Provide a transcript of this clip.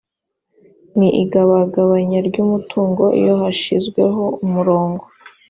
ni igabagabanya ry’umutungo iyo hashyizweho umurongo